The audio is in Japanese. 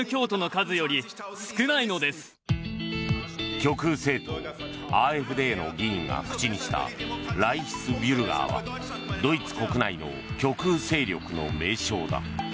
極右政党ＡｆＤの議員が口にしたライヒスビュルガーはドイツ国内の極右勢力の名称だ。